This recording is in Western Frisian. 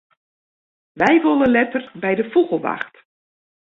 Wy wolle letter by de fûgelwacht.